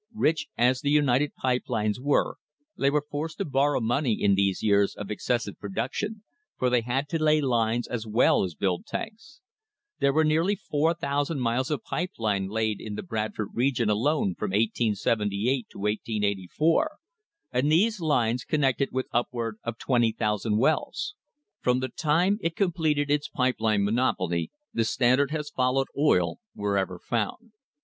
Rich as the United Pipe Lines were they were forced to bor row money in these years of excessive production, for they had to lay lines as well as build tanks. There were nearly 4,000 miles of pipe line laid in the Bradford region alone from 1878 to 1884, and these lines connected with upward of 20,000 wells. From the time it completed its pipe line monopoly the Standard has followed oil wherever found.